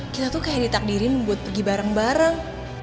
kita tuh kayak ditakdirin buat pergi bareng bareng